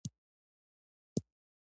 استقامت د بریا کیلي ده.